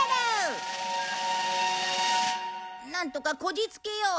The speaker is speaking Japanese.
なんとかこじつけよう。